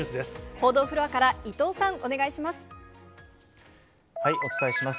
報道フロアから伊藤さん、お伝えします。